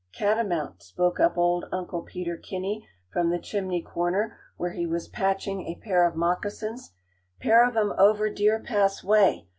"Catamount," spoke up old Uncle Peter Kinney from the chimney corner, where he was patching a pair of moccasins. "Pair of 'em over Deer Pass way.